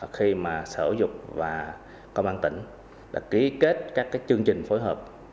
khi mà sở giáo dục và công an tỉnh đã ký kết các chương trình phối hợp